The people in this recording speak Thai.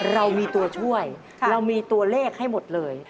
เรามีตัวช่วยเรามีตัวเลขให้หมดเลย